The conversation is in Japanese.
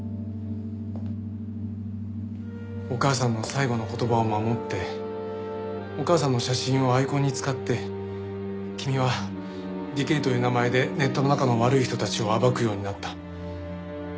お母さんの最後の言葉を守ってお母さんの写真をアイコンに使って君はディケーという名前でネットの中の悪い人たちを暴くようになった。